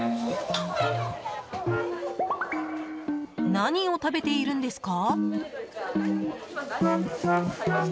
何を食べているんですか？